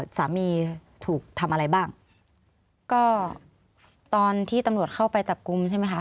สามีถูกทำอะไรบ้างก็ตอนที่ตำรวจเข้าไปจับกลุ่มใช่ไหมคะ